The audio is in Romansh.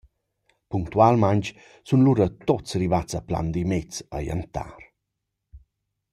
Punctualmaing sun lura tuots rivats a Plan d’Immez a giantar.